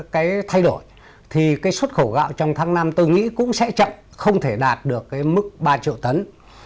cái thay đổi thì cái xuất khẩu gạo trong tháng năm tôi nghĩ cũng sẽ chậm không thể đạt được cái mức ba triệu tấn